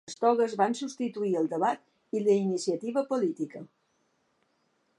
Les togues van substituir el debat i la iniciativa política.